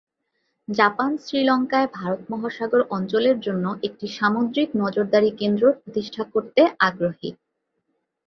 Japan শ্রীলঙ্কায় ভারত মহাসাগর অঞ্চলের জন্য একটি সামুদ্রিক নজরদারি কেন্দ্র প্রতিষ্ঠা করতে আগ্রহী।